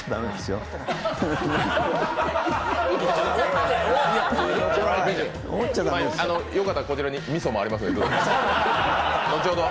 よかったらこちらにみそもありますので、どうぞ。